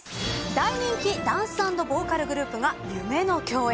［大人気ダンス＆ボーカルグループが夢の共演］